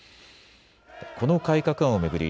この改革案を巡り